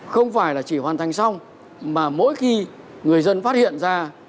không phải là chỉ hoàn thành xong mà mỗi khi người dân phát hiện ra